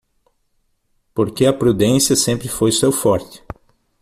Porque a prudência sempre foi seu forte.